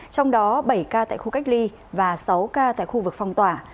trong đó bảy ca tại khu cách ly và sáu ca tại khu vực phong tỏa